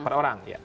per orang ya